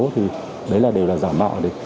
thì đấy là đều là giả mạo